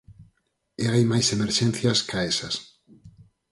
E hai máis emerxencias ca esas.